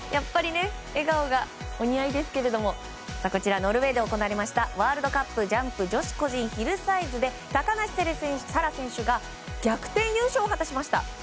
笑顔がお似合いですけどもノルウェーで行われましたワールドカップジャンプ女子ヒルサイズで高梨沙羅選手が逆転優勝を果たしました。